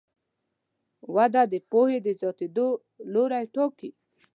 وده د پوهې د زیاتېدو لوری ټاکي.